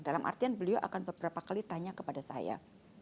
dalam artian beliau akan beberapa kali tanya kepada saya